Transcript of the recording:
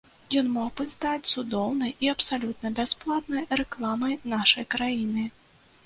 Ён мог бы стаць цудоўнай і абсалютна бясплатнай рэкламай нашай краіны.